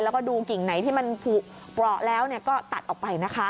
แล้วก็ดูกิ่งไหนที่มันผูกเปราะแล้วก็ตัดออกไปนะคะ